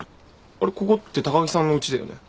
あれここって高木さんのうちだよね。